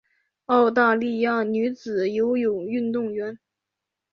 澳大利亚女子游泳运动员。